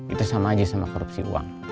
itu sama aja sama korupsi uang